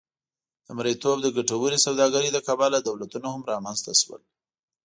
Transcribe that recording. د مریتوب د ګټورې سوداګرۍ له کبله دولتونه هم رامنځته شول.